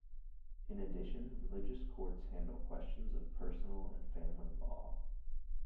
In addition, religious courts handle questions of personal and family law.